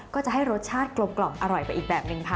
ก็จะให้รสชาติกลมอร่อยไปอีกแบบนึงค่ะ